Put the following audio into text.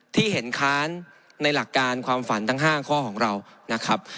ที่เห็นค้านในหลักการความฝันทั้ง๕ข้อของเรานะครับ